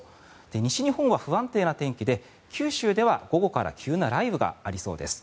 西日本は不安定な天気で九州では午後から急な雷雨がありそうです。